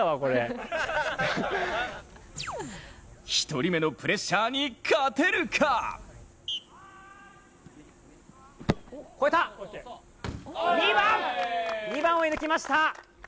１人目のプレッシャーに勝てるか超えた、２番を抜きました。